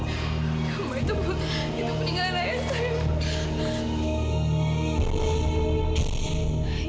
mbak itu peninggalan ayah saya mbak